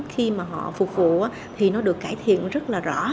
khi họ phục vụ thì nó được cải thiện rất rõ